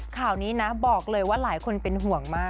ข่าวนี้นะบอกเลยว่าหลายคนเป็นห่วงมาก